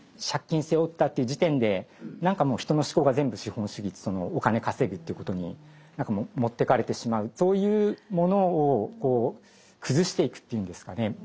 借金背負ったっていう時点で何かもう人の思考が全部資本主義お金稼ぐってことに持ってかれてしまうそういうものを崩していくっていうんですかね。